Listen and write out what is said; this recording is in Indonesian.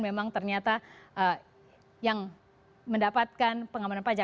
memang ternyata yang mendapatkan pengamanan pajak